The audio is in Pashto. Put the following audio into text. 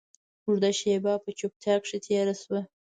اوږده شېبه په چوپتيا کښې تېره سوه.